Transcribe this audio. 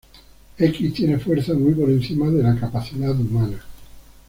X tiene fuerza muy por encima de la capacidad humana.